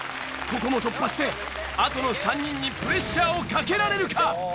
ここも突破してあとの３人にプレッシャーをかけられるか？